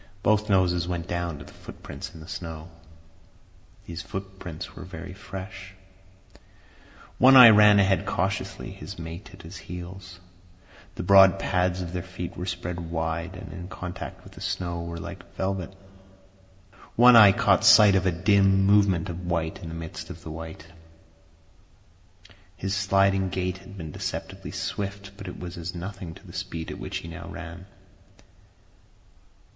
Both noses went down to the footprints in the snow. These footprints were very fresh. One Eye ran ahead cautiously, his mate at his heels. The broad pads of their feet were spread wide and in contact with the snow were like velvet. One Eye caught sight of a dim movement of white in the midst of the white. His sliding gait had been deceptively swift, but it was as nothing to the speed at which he now ran.